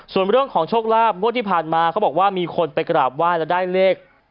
ส่วนเรื่องของโชคลาภรรย์ก็ได้ผ่านมาเขาบอกว่ามีคนไปกระดาษว่ายรวดใดเลข